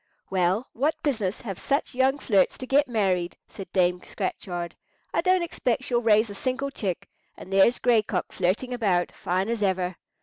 "Well, what business have such young flirts to get married?" said Dame Scratchard. "I don't expect she'll raise a single chick; and there's Gray Cock flirting about, fine as ever.